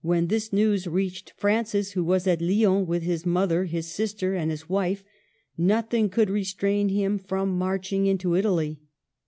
When this news reached Francis, who was at Lyons with his mother, his sister, and his wife, nothing could restrain him from marching into Italy.